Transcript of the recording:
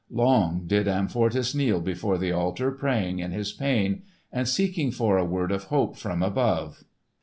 Long did Amfortas kneel before the altar praying in his pain, and seeking for a word of hope from above.